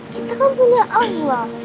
kita kan punya allah